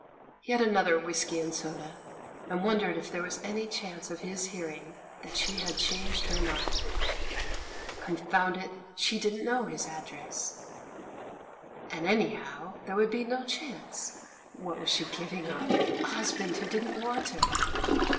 He had another whisky and soda, and wondered if there was any chance of his hearing that she had changed her mind. Confound it, she didn't know his address! And anvhow there would be no chance; what was she giving up — a husband who didn't want her.